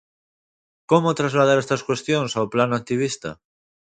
Como trasladar estas cuestións ao plano activista?